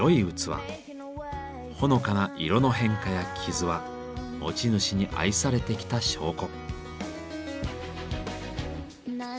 ほのかな色の変化や傷は持ち主に愛されてきた証拠。